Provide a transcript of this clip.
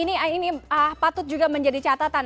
ini patut juga menjadi catatan